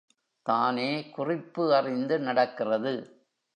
தானே குறிப்பு அறிந்து நடக்கிறது.